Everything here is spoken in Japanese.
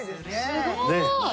すごい！